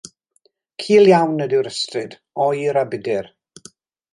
Cul iawn ydyw'r ystryd, oer a budr.